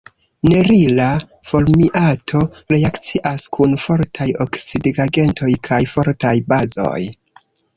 Nerila formiato reakcias kun fortaj oksidigagentoj kaj fortaj bazoj.